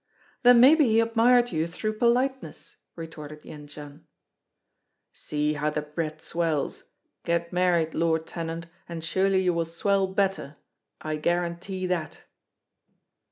"Then maybe he admired you through politeness!" retorted Jendzian. "See how the bread swells; get married, lord tenant, and surely you will swell better I guarantee that."